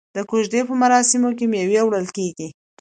د کوژدې په مراسمو کې میوه وړل کیږي.